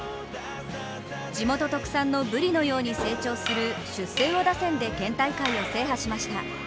地元特産のブリのように成長する出世魚打線で県大会を制覇しました。